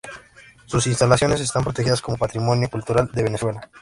Sus instalaciones están protegidas como patrimonio cultural de Venezuela.